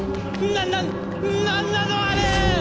ななっ何なのあれ！